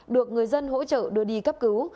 được người dân hỗ trợ đưa đi cấp cứu